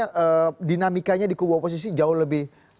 apakah dinamikanya di kubu oposisi jauh lebih tinggi